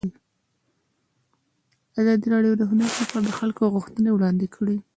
ازادي راډیو د هنر لپاره د خلکو غوښتنې وړاندې کړي.